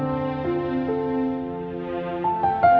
aku gak bisa tidur semalaman